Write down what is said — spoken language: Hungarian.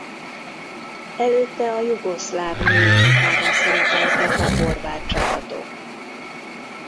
Előtte a jugoszláv női kupában szerepeltek a horvát csapatok.